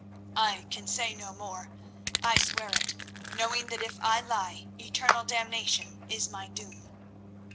I can say no more. I swear, knowing that if I lie eternal damnation is my doom."